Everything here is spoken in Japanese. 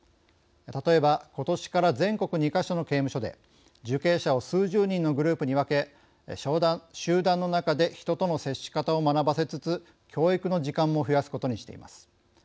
例えばことしから全国２か所の刑務所で受刑者を数十人のグループに分け集団の中で人との接し方を学ばせつつ教育の時間も増やすことにしています。